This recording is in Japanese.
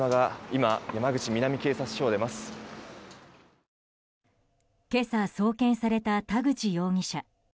今朝、送検された田口容疑者。